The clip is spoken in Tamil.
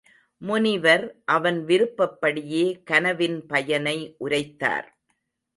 முனிவர் அவன் விருப்பப்படியே கனவின் பயனை உரைத்தார்.